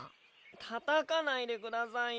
たたかないでくださいよ。